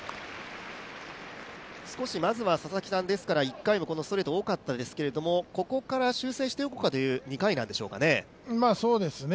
まずは１回もストレート多かったですけどここから修正していこうかという２回なんでしょうかね。